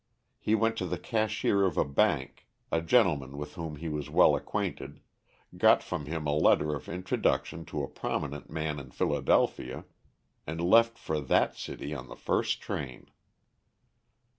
He went to the cashier of a bank, a gentleman with whom he was well acquainted, got from him a letter of introduction to a prominent man in Philadelphia, and left for that city on the first train.